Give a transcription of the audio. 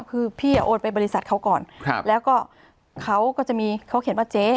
คือพี่โอนไปบริษัทเขาก่อนครับแล้วก็เขาก็จะมีเขาเขียนว่าเจ๊